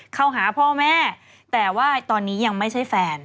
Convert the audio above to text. เข้าหาพ่อแม่แต่ว่าตอนนี้ยังไม่ใช่แฟน